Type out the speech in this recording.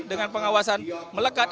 dengan pengawasan melekat